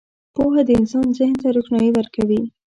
• پوهه د انسان ذهن ته روښنايي ورکوي.